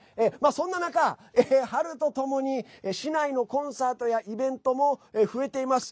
そんな中、春とともに市内のコンサートやイベントも増えています。